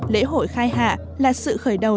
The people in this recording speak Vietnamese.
lễ hội khai hạ là sự khởi đầu